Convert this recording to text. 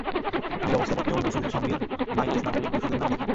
তিনি ব্যবস্থাপত্রে অন্য ওষুধের সঙ্গে মাই-এস নামের একটি ওষুধের নাম লেখেন।